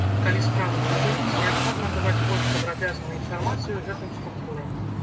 Калі справу прыпыніць, неабходна даваць больш падрабязную інфармацыю гэтым структурам.